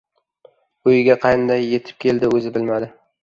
Uyiga qanday yetib keldi, o‘zida bilmadi.